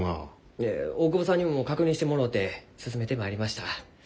いえ大窪さんにも確認してもろうて進めてまいりました。